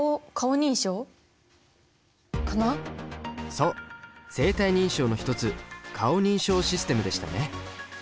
そう生体認証の一つ顔認証システムでしたね。